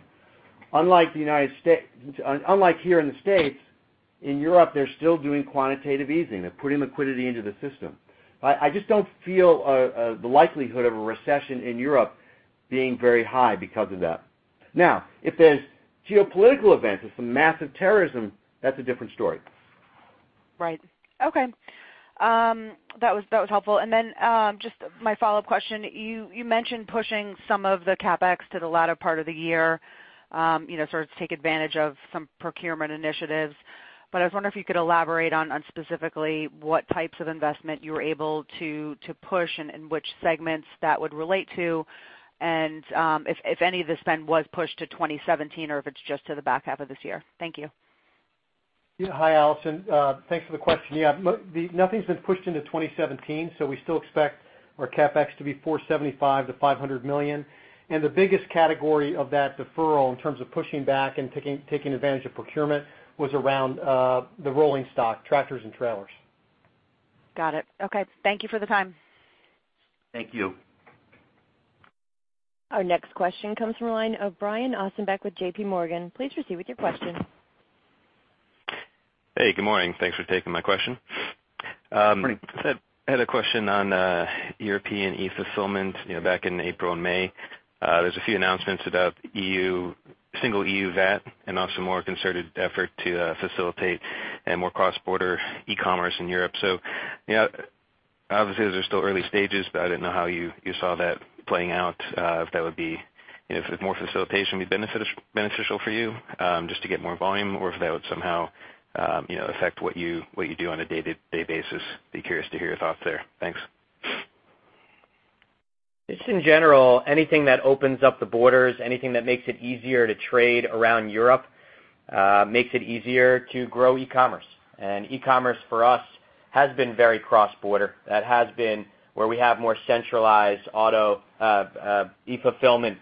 Unlike the United States. Unlike here in the States, in Europe, they're still doing quantitative easing. They're putting liquidity into the system. I just don't feel the likelihood of a recession in Europe being very high because of that. Now, if there's geopolitical events, if some massive terrorism, that's a different story. Right. Okay. That was, that was helpful. And then, just my follow-up question, you, you mentioned pushing some of the CapEx to the latter part of the year, you know, sort of to take advantage of some procurement initiatives. But I was wondering if you could elaborate on, on specifically what types of investment you were able to, to push and, and which segments that would relate to, and, if, if any of the spend was pushed to 2017 or if it's just to the back half of this year. Thank you. ... Hi, Allison. Thanks for the question. Yeah, the nothing's been pushed into 2017, so we still expect our CapEx to be $475 million-$500 million. And the biggest category of that deferral, in terms of pushing back and taking advantage of procurement, was around the rolling stock, tractors and trailers. Got it. Okay, thank you for the time. Thank you. Our next question comes from the line of Brian Ossenbeck with J.P. Morgan. Please proceed with your question. Hey, good morning. Thanks for taking my question. Good morning. So I had a question on European e-fulfillment. You know, back in April and May, there was a few announcements about EU single EU VAT, and also more concerted effort to facilitate a more cross-border e-commerce in Europe. So, you know, obviously, those are still early stages, but I didn't know how you saw that playing out, if that would be, if more facilitation would be beneficial for you, just to get more volume, or if that would somehow, you know, affect what you do on a day-to-day basis. Be curious to hear your thoughts there. Thanks. Just in general, anything that opens up the borders, anything that makes it easier to trade around Europe, makes it easier to grow e-commerce. And e-commerce for us has been very cross-border. That has been where we have more centralized auto, e-fulfillment,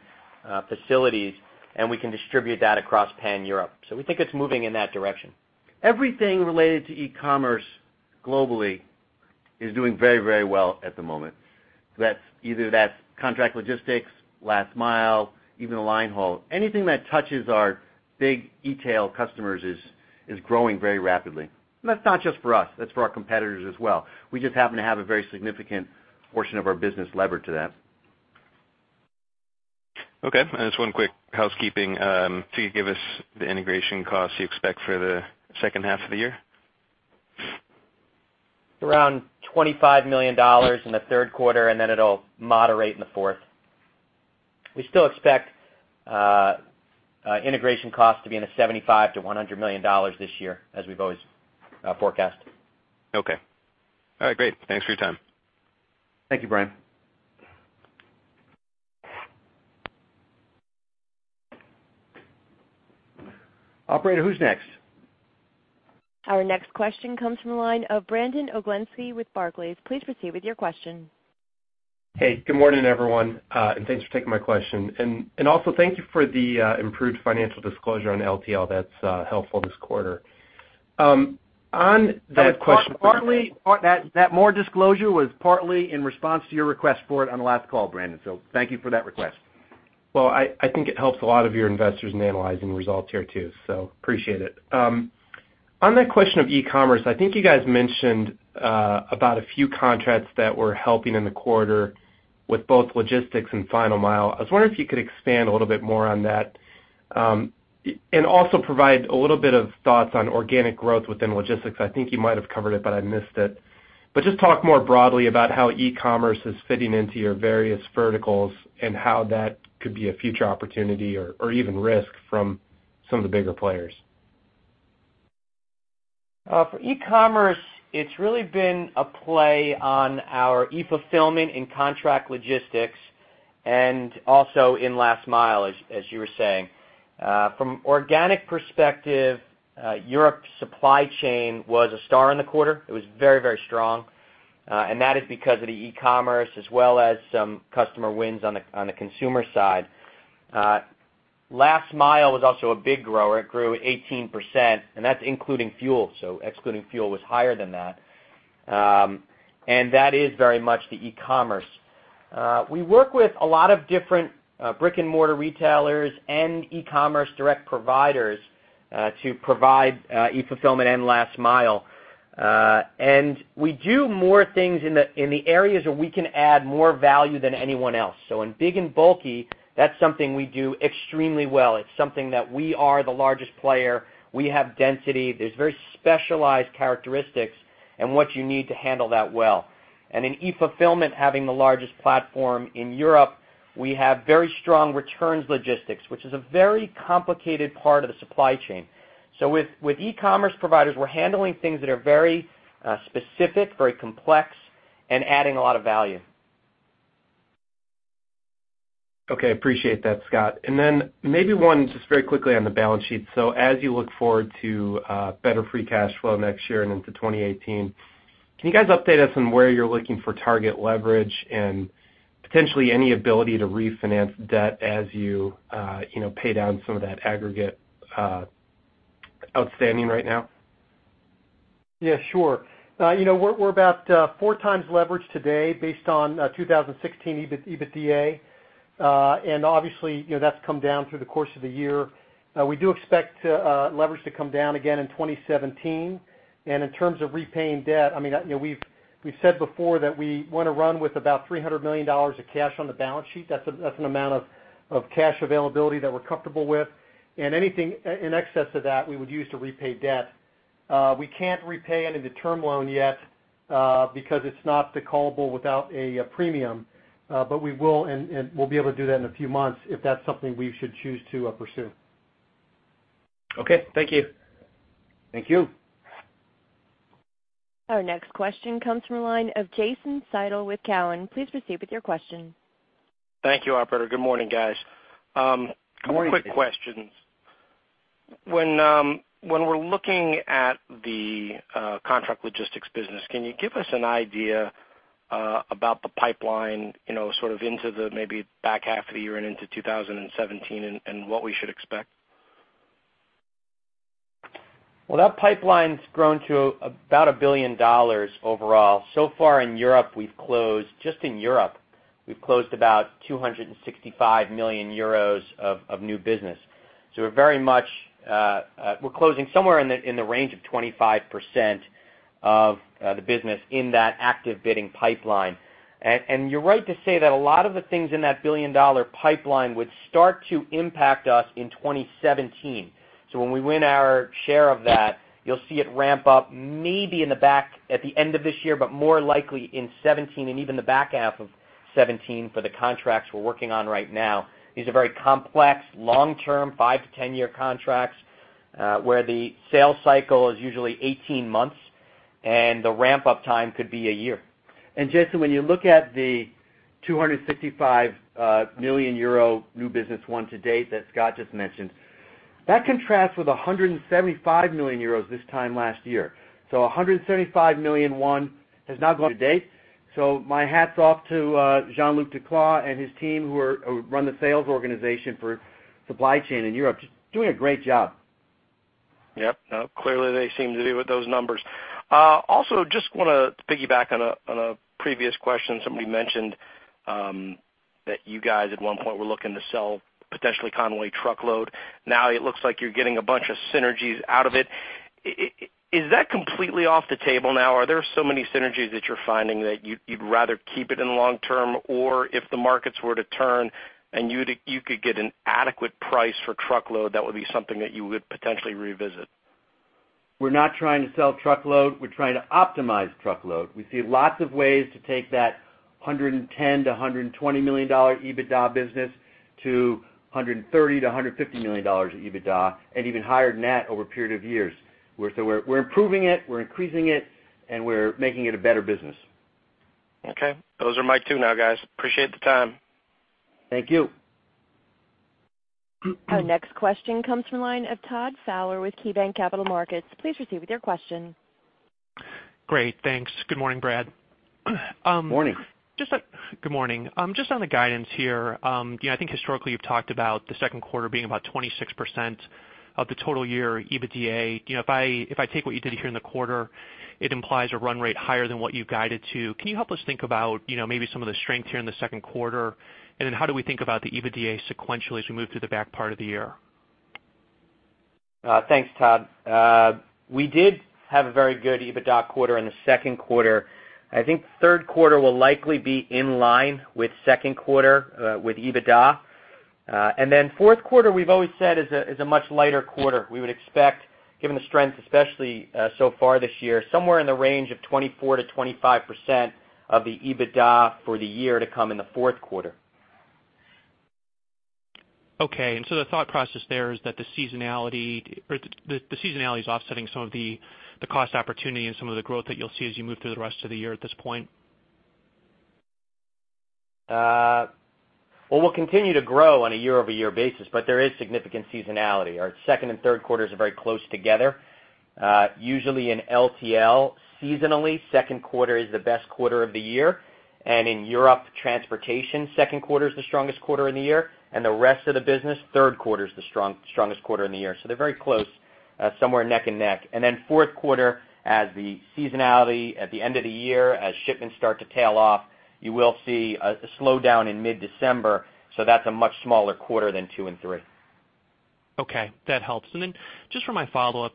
facilities, and we can distribute that across Pan-Europe. So we think it's moving in that direction. Everything related to e-commerce, globally, is doing very, very well at the moment. That's either contract logistics, last mile, even the line haul. Anything that touches our big e-tail customers is growing very rapidly. And that's not just for us, that's for our competitors as well. We just happen to have a very significant portion of our business levered to that. Okay, and just one quick housekeeping. Can you give us the integration costs you expect for the second half of the year? Around $25 million in the third quarter, and then it'll moderate in the fourth. We still expect integration costs to be in the $75 million-$100 million this year, as we've always forecasted. Okay. All right, great. Thanks for your time. Thank you, Brian. Operator, who's next? Our next question comes from the line of Brandon Oglenski with Barclays. Please proceed with your question. Hey, good morning, everyone, and thanks for taking my question. And, and also thank you for the improved financial disclosure on LTL. That's helpful this quarter. On that question- Partly, that more disclosure was partly in response to your request for it on the last call, Brandon, so thank you for that request. Well, I, I think it helps a lot of your investors in analyzing the results here, too, so appreciate it. On that question of e-commerce, I think you guys mentioned about a few contracts that were helping in the quarter with both logistics and last mile. I was wondering if you could expand a little bit more on that. And also provide a little bit of thoughts on organic growth within logistics. I think you might have covered it, but I missed it. But just talk more broadly about how e-commerce is fitting into your various verticals, and how that could be a future opportunity or even risk from some of the bigger players. For e-commerce, it's really been a play on our e-fulfillment and contract logistics, and also in last mile, as you were saying. From organic perspective, Europe supply chain was a star in the quarter. It was very, very strong, and that is because of the e-commerce, as well as some customer wins on the consumer side. Last mile was also a big grower. It grew 18%, and that's including fuel, so excluding fuel was higher than that. And that is very much the e-commerce. We work with a lot of different brick-and-mortar retailers and e-commerce direct providers to provide e-fulfillment and last mile. And we do more things in the areas where we can add more value than anyone else. So in big and bulky, that's something we do extremely well. It's something that we are the largest player. We have density. There's very specialized characteristics in what you need to handle that well. And in e-fulfillment, having the largest platform in Europe, we have very strong returns logistics, which is a very complicated part of the supply chain. So with e-commerce providers, we're handling things that are very specific, very complex, and adding a lot of value. Okay. Appreciate that, Scott. And then maybe one, just very quickly on the balance sheet. So as you look forward to better free cash flow next year and into 2018, can you guys update us on where you're looking for target leverage and potentially any ability to refinance debt as you, you know, pay down some of that aggregate outstanding right now? Yeah, sure. You know, we're about 4 times leverage today based on 2016 EBIT, EBITDA. And obviously, you know, that's come down through the course of the year. We do expect leverage to come down again in 2017. And in terms of repaying debt, I mean, you know, we've said before that we want to run with about $300 million of cash on the balance sheet. That's an amount of cash availability that we're comfortable with. And anything in excess of that, we would use to repay debt. We can't repay any of the term loan yet, because it's not callable without a premium, but we will, and, and we'll be able to do that in a few months, if that's something we should choose to pursue. Okay, thank you. Thank you. Our next question comes from the line of Jason Seidl with Cowen. Please proceed with your question. Thank you, operator. Good morning, guys. Good morning. A couple quick questions. When we're looking at the Contract Logistics business, can you give us an idea about the pipeline, you know, sort of into the maybe back half of the year and into 2017, and what we should expect? Well, that pipeline's grown to about $1 billion overall. So far in Europe, we've closed, just in Europe, we've closed about 265 million euros of, of new business. So we're very much, we're closing somewhere in the, in the range of 25% of, the business in that active bidding pipeline. And, and you're right to say that a lot of the things in that billion-dollar pipeline would start to impact us in 2017. So when we win our share of that, you'll see it ramp up maybe in the back at the end of this year, but more likely in 2017 and even the back half of 2017 for the contracts we're working on right now. These are very complex, long-term, 5-10 year contracts, where the sales cycle is usually 18 months, and the ramp-up time could be 1 year. Jason, when you look at the 265 million euro new business won to date that Scott just mentioned, that contrasts with 175 million euros this time last year. So 175 million won has now gone to date. So my hat's off to Jean-Luc DeCloux and his team, who run the sales organization for supply chain in Europe. Just doing a great job. Yep. Yep, clearly, they seem to do with those numbers. Also just want to piggyback on a previous question. Somebody mentioned that you guys, at one point, were looking to sell potentially Con-way Truckload. Now it looks like you're getting a bunch of synergies out of it. Is that completely off the table now? Are there so many synergies that you're finding that you'd rather keep it in long term? Or if the markets were to turn and you could get an adequate price for Truckload, that would be something that you would potentially revisit. We're not trying to sell truckload, we're trying to optimize truckload. We see lots of ways to take that $110 million-$120 million EBITDA business to $130 million-$150 million of EBITDA, and even higher net over a period of years. We're so we're improving it, we're increasing it, and we're making it a better business. Okay. Those are my two now, guys. Appreciate the time. Thank you. Our next question comes from line of Todd Fowler with KeyBanc Capital Markets. Please proceed with your question. Great. Thanks. Good morning, Brad. Morning. Good morning. Just on the guidance here, you know, I think historically, you've talked about the second quarter being about 26% of the total year EBITDA. You know, if I take what you did here in the quarter, it implies a run rate higher than what you've guided to. Can you help us think about, you know, maybe some of the strength here in the second quarter, and then how do we think about the EBITDA sequentially as we move through the back part of the year? Thanks, Todd. We did have a very good EBITDA quarter in the second quarter. I think third quarter will likely be in line with second quarter, with EBITDA. And then fourth quarter, we've always said, is a much lighter quarter. We would expect, given the strength, especially, so far this year, somewhere in the range of 24%-25% of the EBITDA for the year to come in the fourth quarter. Okay. And so the thought process there is that the seasonality or the seasonality is offsetting some of the cost opportunity and some of the growth that you'll see as you move through the rest of the year at this point? Well, we'll continue to grow on a year-over-year basis, but there is significant seasonality. Our second and third quarters are very close together. Usually in LTL, seasonally, second quarter is the best quarter of the year, and in Europe, transportation, second quarter is the strongest quarter of the year, and the rest of the business, third quarter is the strongest quarter in the year. So they're very close, somewhere neck and neck. And then fourth quarter, as the seasonality at the end of the year, as shipments start to tail off, you will see a slowdown in mid-December, so that's a much smaller quarter than two and three. Okay. That helps. Then just for my follow-up,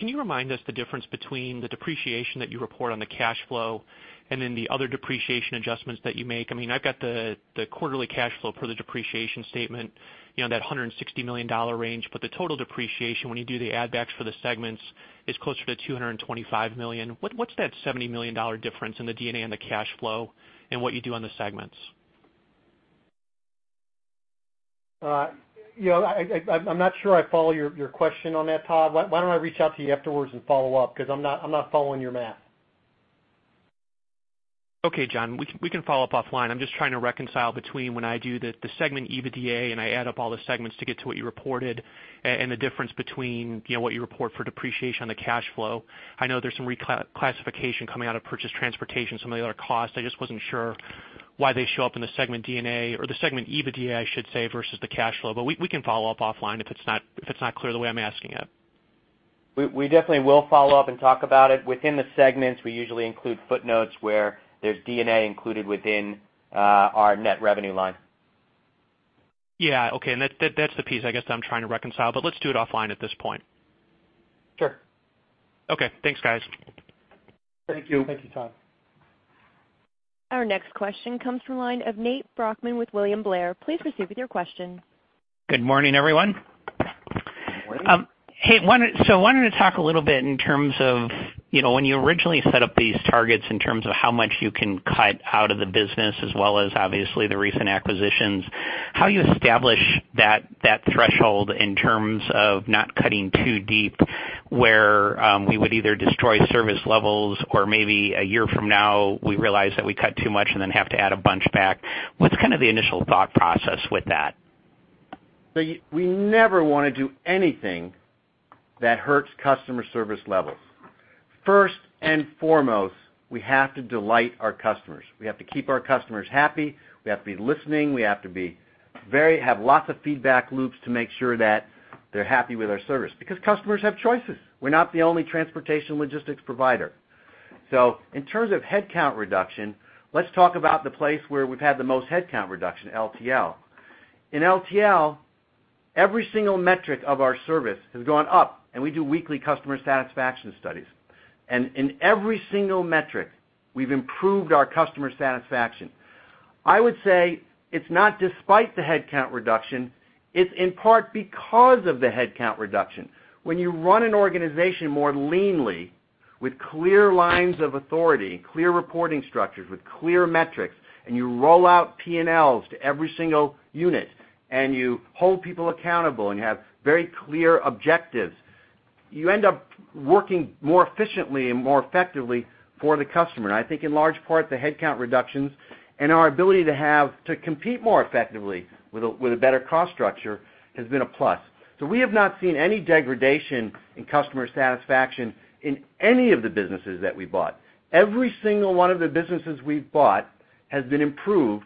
can you remind us the difference between the depreciation that you report on the cash flow and then the other depreciation adjustments that you make? I mean, I've got the quarterly cash flow for the depreciation statement, you know, that $160 million range, but the total depreciation, when you do the add backs for the segments, is closer to $225 million. What's that $70 million difference in the D&A and the cash flow and what you do on the segments? you know, I'm not sure I follow your question on that, Todd. Why don't I reach out to you afterwards and follow up? Because I'm not following your math. Okay, John. We can, we can follow up offline. I'm just trying to reconcile between when I do the segment EBITDA, and I add up all the segments to get to what you reported and the difference between, you know, what you report for depreciation on the cash flow. I know there's some reclassification coming out of purchase transportation, some of the other costs. I just wasn't sure why they show up in the segment EBITDA, I should say, versus the cash flow. But we, we can follow up offline if it's not, if it's not clear the way I'm asking it. We definitely will follow up and talk about it. Within the segments, we usually include footnotes where there's D&A included within our net revenue line. Yeah. Okay, and that, that's the piece I guess I'm trying to reconcile, but let's do it offline at this point. Sure. Okay. Thanks, guys. Thank you. Thank you, Todd. Our next question comes from the line of Nate Brochmann with William Blair. Please proceed with your question. Good morning, everyone. Good morning. Hey, I wanted to talk a little bit in terms of, you know, when you originally set up these targets, in terms of how much you can cut out of the business, as well as obviously the recent acquisitions, how you establish that, that threshold in terms of not cutting too deep? Where we would either destroy service levels or maybe a year from now, we realize that we cut too much and then have to add a bunch back. What's kind of the initial thought process with that? We never want to do anything that hurts customer service levels. First and foremost, we have to delight our customers. We have to keep our customers happy, we have to be listening, we have to be very, have lots of feedback loops to make sure that they're happy with our service, because customers have choices. We're not the only transportation logistics provider. In terms of headcount reduction, let's talk about the place where we've had the most headcount reduction, LTL. In LTL, every single metric of our service has gone up, and we do weekly customer satisfaction studies. In every single metric, we've improved our customer satisfaction. I would say it's not despite the headcount reduction, it's in part because of the headcount reduction. When you run an organization more leanly, with clear lines of authority, clear reporting structures, with clear metrics, and you roll out P&Ls to every single unit, and you hold people accountable, and you have very clear objectives, you end up working more efficiently and more effectively for the customer. I think in large part, the headcount reductions and our ability to have to compete more effectively with a better cost structure has been a plus. We have not seen any degradation in customer satisfaction in any of the businesses that we bought. Every single one of the businesses we've bought has been improved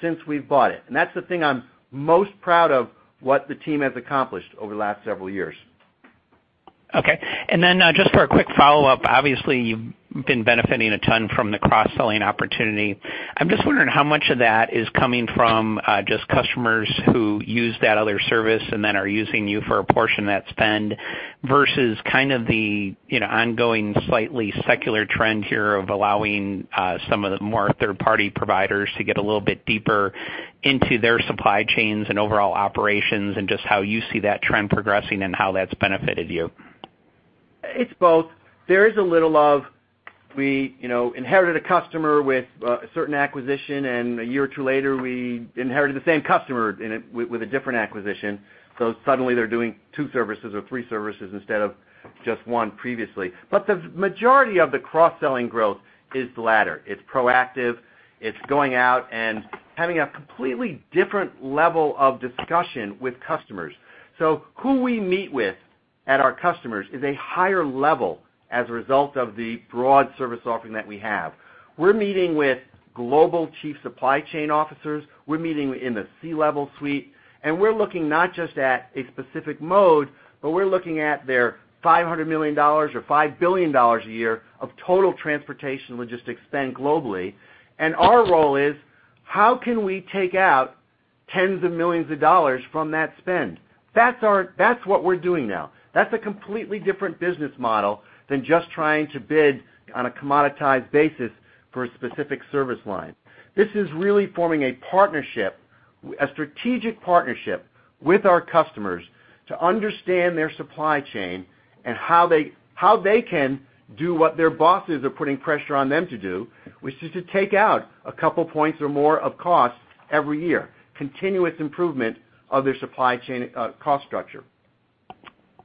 since we've bought it. That's the thing I'm most proud of, what the team has accomplished over the last several years. Okay. And then, just for a quick follow-up, obviously, you've been benefiting a ton from the cross-selling opportunity. I'm just wondering how much of that is coming from, just customers who use that other service and then are using you for a portion of that spend, versus kind of the, you know, ongoing, slightly secular trend here of allowing, some of the more third-party providers to get a little bit deeper into their supply chains and overall operations, and just how you see that trend progressing and how that's benefited you. It's both. There is a little of we, you know, inherited a customer with a certain acquisition, and a year or two later, we inherited the same customer with, with a different acquisition. So suddenly they're doing two services or three services instead of just one previously. But the majority of the cross-selling growth is the latter. It's proactive, it's going out and having a completely different level of discussion with customers. So who we meet with at our customers is a higher level as a result of the broad service offering that we have. We're meeting with global chief supply chain officers, we're meeting in the C-level suite, and we're looking not just at a specific mode, but we're looking at their $500 million or $5 billion a year of total transportation logistics spend globally. Our role is, how can we take out $ tens of millions from that spend? That's our. That's what we're doing now. That's a completely different business model than just trying to bid on a commoditized basis for a specific service line. This is really forming a partnership, a strategic partnership with our customers to understand their supply chain and how they, how they can do what their bosses are putting pressure on them to do, which is to take out a couple of points or more of cost every year, continuous improvement of their supply chain, cost structure.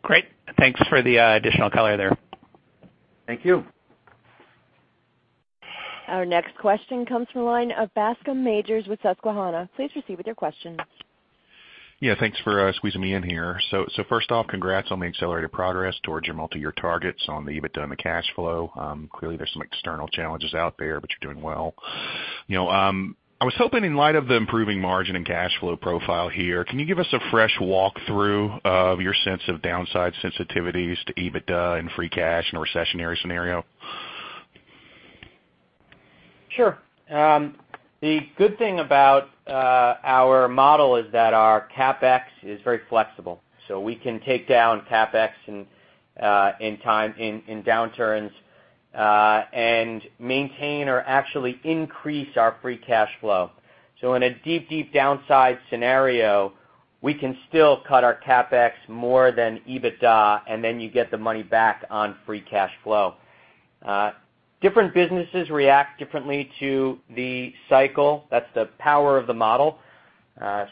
Great. Thanks for the additional color there. Thank you. Our next question comes from the line of Bascom Majors with Susquehanna. Please proceed with your question. Yeah, thanks for squeezing me in here. So, first off, congrats on the accelerated progress towards your multiyear targets on the EBITDA and the cash flow. Clearly, there's some external challenges out there, but you're doing well. You know, I was hoping in light of the improving margin and cash flow profile here, can you give us a fresh walk-through of your sense of downside sensitivities to EBITDA and free cash in a recessionary scenario? Sure. The good thing about our model is that our CapEx is very flexible. So we can take down CapEx in time in downturns and maintain or actually increase our free cash flow. So in a deep, deep downside scenario, we can still cut our CapEx more than EBITDA, and then you get the money back on free cash flow. Different businesses react differently to the cycle. That's the power of the model.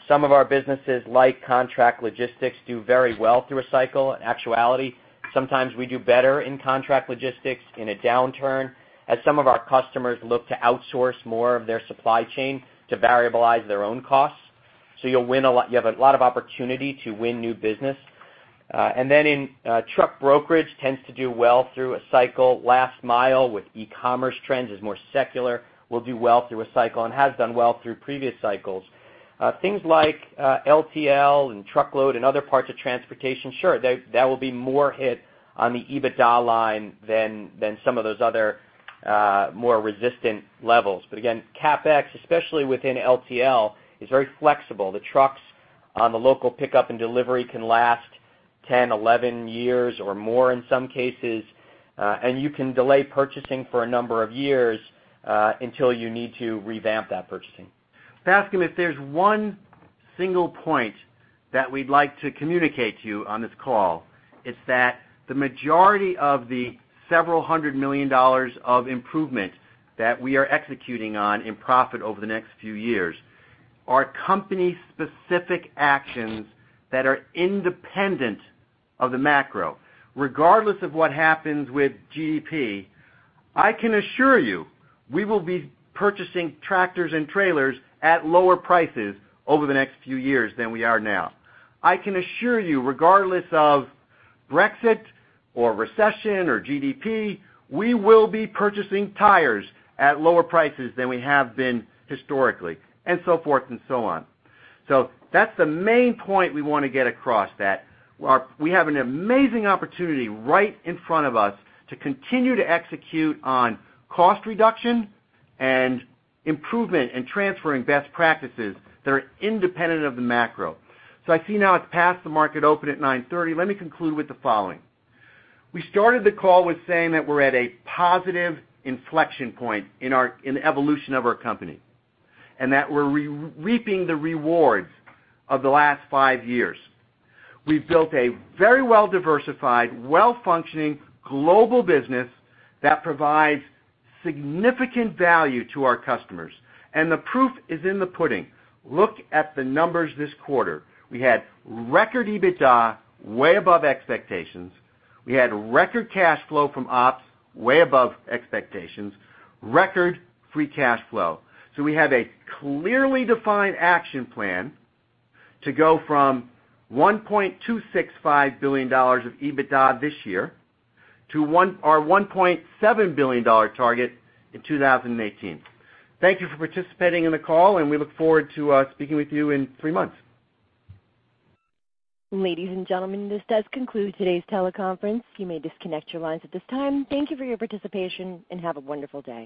Some of our businesses, like contract logistics, do very well through a cycle. In actuality, sometimes we do better in contract logistics in a downturn, as some of our customers look to outsource more of their supply chain to variabilize their own costs. So you'll win a lot. You have a lot of opportunity to win new business. And then in truck brokerage tends to do well through a cycle. Last mile with e-commerce trends is more secular, will do well through a cycle and has done well through previous cycles. Things like LTL and truckload and other parts of transportation, sure, that will be more hit on the EBITDA line than some of those other more resistant levels. But again, CapEx, especially within LTL, is very flexible. The trucks on the local pickup and delivery can last 10, 11 years or more in some cases, and you can delay purchasing for a number of years until you need to revamp that purchasing. Bascom, if there's one single point that we'd like to communicate to you on this call, it's that the majority of the several hundred million dollars of improvement that we are executing on in profit over the next few years are company-specific actions that are independent of the macro. Regardless of what happens with GDP, I can assure you, we will be purchasing tractors and trailers at lower prices over the next few years than we are now. I can assure you, regardless of Brexit or recession or GDP, we will be purchasing tires at lower prices than we have been historically, and so forth and so on. So that's the main point we want to get across, that we have an amazing opportunity right in front of us to continue to execute on cost reduction and improvement and transferring best practices that are independent of the macro. So I see now it's past the market open at 9:30 A.M. Let me conclude with the following. We started the call with saying that we're at a positive inflection point in our, in the evolution of our company, and that we're re- reaping the rewards of the last five years. We've built a very well-diversified, well-functioning global business that provides significant value to our customers, and the proof is in the pudding. Look at the numbers this quarter. We had record EBITDA, way above expectations. We had record cash flow from ops, way above expectations, record free cash flow. So we have a clearly defined action plan to go from $1.265 billion of EBITDA this year to our $1.7 billion target in 2018. Thank you for participating in the call, and we look forward to speaking with you in three months. Ladies and gentlemen, this does conclude today's teleconference. You may disconnect your lines at this time. Thank you for your participation, and have a wonderful day.